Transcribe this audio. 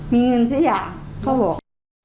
มีเงินที่อยากเขาบอก